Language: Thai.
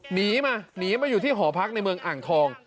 หนีมาหนีมาอยู่ที่หอพักในเมืองอ่างทอง